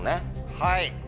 はい。